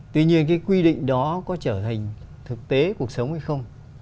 tuy nhiên cái quy định đó có trở thành thực tế cuộc sống hay không